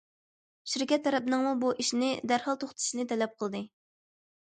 شىركەت تەرەپنىڭمۇ بۇ ئىشنى دەرھال توختىتىشنى تەلەپ قىلدى.